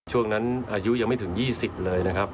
ช่วงนั้นอายุยังไม่ถึง๒๐เลยนะครับ